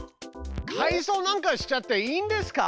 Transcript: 改造なんかしちゃっていいんですか？